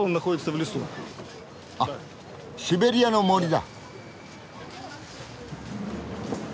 あっシベリアの森だ。